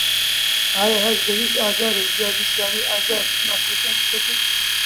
ئایا هەست بە هیچ ئازارێک یان نیشانەی ئازاری ماسوولکەکانت دەکەیت؟